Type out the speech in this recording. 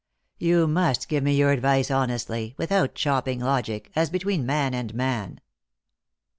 Tou must give me your advice honestly, without chopping logic, as between man and man."